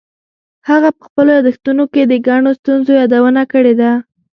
هغه په خپلو یادښتونو کې د ګڼو ستونزو یادونه کړې ده.